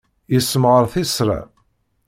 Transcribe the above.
Yessemɣaṛ tisra.